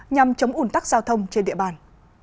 nhằm chống ủn tắc giao thông trên địa bàn